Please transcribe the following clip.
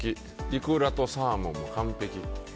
イクラとサーモンも完璧。